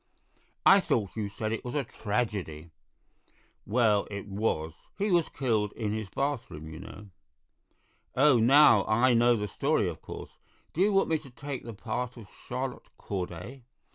"I thought you said it was a tragedy." "Well, it was. He was killed in his bathroom, you know." "Oh, now I know the story, of course. Do you want me to take the part of Charlotte Corday?"